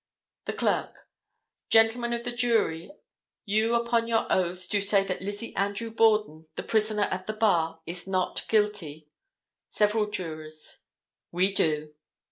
The clerk—Gentlemen of the jury, you upon your oaths do say that Lizzie Andrew Borden, the prisoner at the bar, is not guilty? Several jurors—We do.